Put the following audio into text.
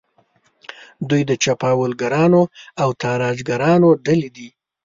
دوی د چپاولګرانو او تاراجګرانو ډلې دي.